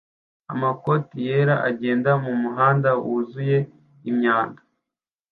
namakoti yera agenda mumuhanda wuzuye imyanda